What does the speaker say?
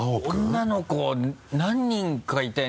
女の子何人かいて。